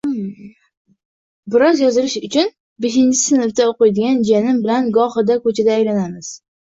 Biroz yozilish uchun beshinchi sinfda o‘qiydigan jiyanim bilan gohida ko‘cha aylanamiz.